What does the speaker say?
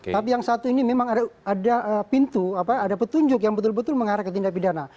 tapi yang satu ini memang ada pintu ada petunjuk yang betul betul mengarah ke tindak pidana